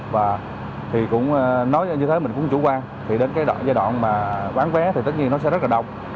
và nói như thế mình cũng chủ quan thì đến giai đoạn bán vé thì tất nhiên nó sẽ rất là đông